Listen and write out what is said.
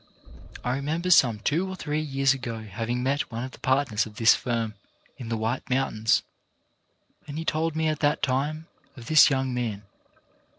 I remember some two or three years ago hav ing met one of the partners of this firm in the White Mountains, and he told me at that time of this young man.